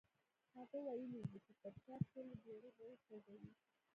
هغه ويلي وو چې تر شا ټولې بېړۍ به سوځوي.